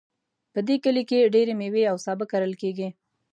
په دې کلي کې ډیری میوې او سابه کرل کیږي